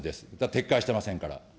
撤回していませんから。